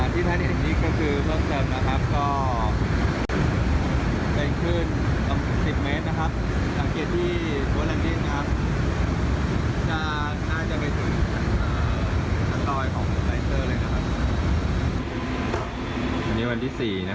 ก็เป็นขึ้น๑๐เมตรนะครับถ้าเกดที่กลัวลานดิ้งนะครับจะค่อยน่าจะไปถึง